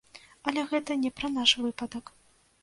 Але гэта не пра наш выпадак.